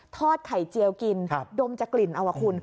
ทอดไข่เจียวกินดมจะกลิ่นเอาคุณ